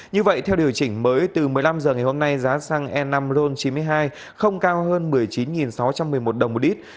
như vậy theo điều chỉnh mới từ một mươi năm h ngày hôm nay giá xăng e năm ron chín mươi hai không cao hơn một mươi chín sáu trăm một mươi một đồng một lít